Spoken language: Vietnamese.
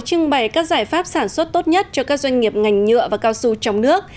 đã giải pháp sản xuất tốt nhất cho các doanh nghiệp ngành nhựa và cao su trong nước